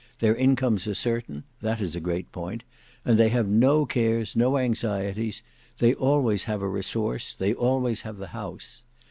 Their incomes are certain, that is a great point, and they have no cares, no anxieties; they always have a resource, they always have the House.